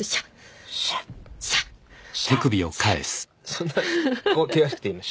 そんな険しくていいの？